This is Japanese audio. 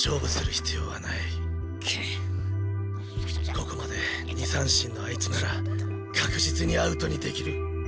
ここまで２三振のあいつなら確実にアウトにできる。